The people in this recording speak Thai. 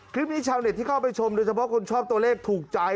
ชาวเน็ตที่เข้าไปชมโดยเฉพาะคนชอบตัวเลขถูกใจ